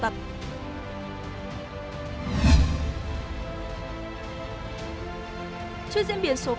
trước diễn biến số ca f tăng sóc trăng đã ban hành lệnh dịch bệnh